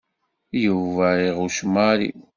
Yuba iɣucc Mary.